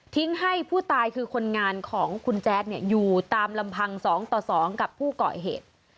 ให้ผู้ตายคือคนงานของคุณแจ๊ดอยู่ตามลำพัง๒ต่อ๒กับผู้ก่อเหตุ